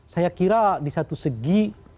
saya kira di satu segi